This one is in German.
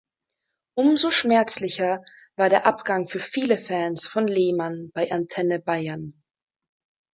Umso schmerzlicher war der Abgang für viele Fans von Lehmann bei Antenne Bayern.